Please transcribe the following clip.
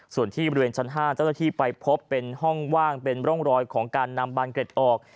ส่วนที่บริเวณชั้น๕เจ้าหน้าที่ไปพบเป็นห้องว่างเป็นร่องรอยของการนำบานเกร็ดออก